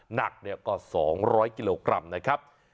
หนักกว่า๒๐๐กิโลกรัมนะครับ